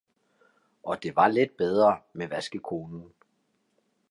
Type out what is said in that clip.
Og det var lidt bedre med vaskekonen.